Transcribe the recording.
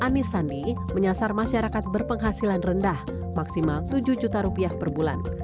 anies sandi menyasar masyarakat berpenghasilan rendah maksimal tujuh juta rupiah per bulan